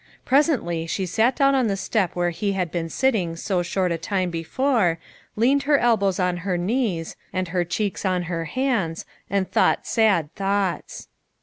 Presently she sat down on the step where he had been sitting so short a time before, leaned her elbows on her knees, and her cheeks on her hands, and thought sad thoughts.